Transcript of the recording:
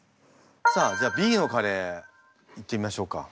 さあじゃあＢのカレーいってみましょうか。